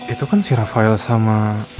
itu kan si rafael sama